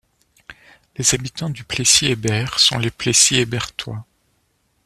Les habitants du Plessis-Hébert sont les Plessis-Hébertois.